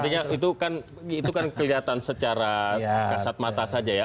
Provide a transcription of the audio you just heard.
artinya itu kan kelihatan secara kasat mata saja ya